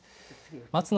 松野